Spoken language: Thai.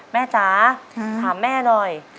จ๋าถามแม่หน่อย